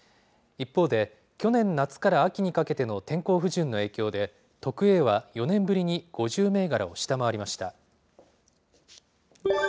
一方で、去年夏から秋にかけての天候不順の影響で、特Ａは４年ぶりに５０銘柄を下回りました。